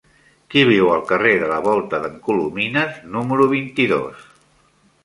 Qui viu al carrer de la Volta d'en Colomines número vint-i-dos?